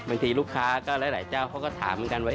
บางทีลูกค้าก็หลายเจ้าเขาก็ถามเหมือนกันว่า